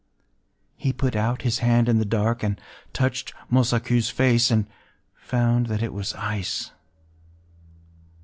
He put out his hand in the dark, and touched Mosaku’s face, and found that it was ice!